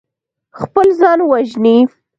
خپل ځان وژني.